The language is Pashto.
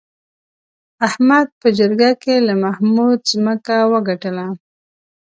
احمد په جرګه کې له محمود ځمکه وګټله.